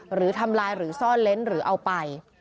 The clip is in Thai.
หรือทำลายหรือซ่อนเล้นหรือเอาไป